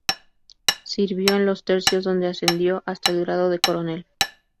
Sirvió en los Tercios, donde ascendió hasta el grado de coronel.